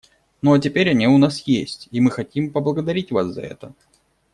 Ну а теперь он у нас есть, и мы хотим поблагодарить вас за это.